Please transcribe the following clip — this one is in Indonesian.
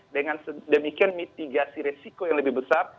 dengan demikian mitigasi resiko yang lebih besar